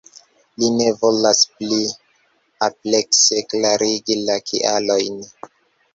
Li ne volas pli amplekse klarigi la kialojn.